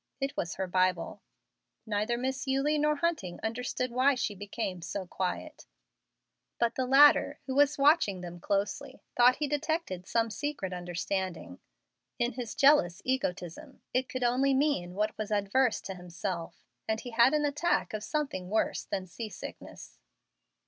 It was her Bible. Neither Miss Eulie nor Hunting understood why she became so quiet; but the latter, who was watching them closely, thought he detected some secret understanding. In his jealous egotism it could only mean what was adverse to himself, and he had an attack of something worse than sea sickness.